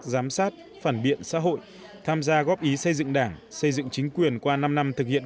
giám sát phản biện xã hội tham gia góp ý xây dựng đảng xây dựng chính quyền qua năm năm thực hiện